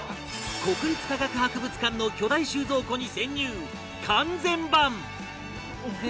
国立科学博物館の巨大収蔵庫に潜入完全版